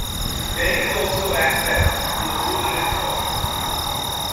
There is also access to the Buderim Falls.